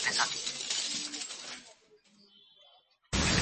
ঐ বোতল দিয়ে আমাকে মারবি না, ঠিক আছে?